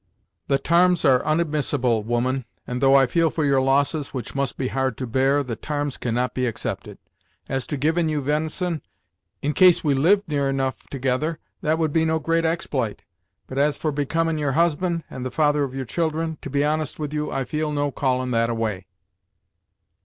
"The tarms are onadmissable, woman, and though I feel for your losses, which must be hard to bear, the tarms cannot be accepted. As to givin' you ven'son, in case we lived near enough together, that would be no great expl'ite; but as for becomin' your husband, and the father of your children, to be honest with you, I feel no callin' that a way."